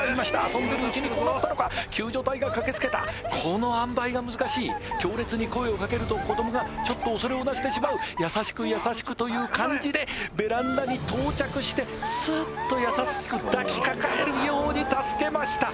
遊んでるうちにこうなったのか救助隊が駆けつけたこのあんばいが難しい強烈に声をかけると子供がちょっと恐れをなしてしまう優しく優しくという感じでベランダに到着してスッと優しく抱きかかえるように助けました